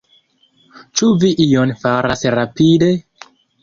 Ĉu vi ion faras rapide?